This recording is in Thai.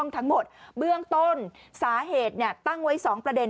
ทั้งหมดเบื้องต้นสาเหตุตั้งไว้๒ประเด็น